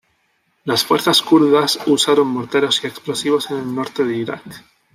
Las fuerzas kurdas usaron morteros y explosivos en el norte de Irak.